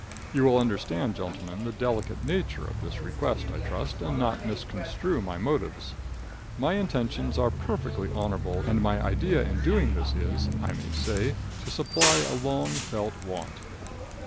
You will understand, gentlemen, the delicate nature of this request, I trust, and not misconstrue my motives. My intentions are perfectly honorable, and my idea in doing this is, I may say, to supply a long felt want.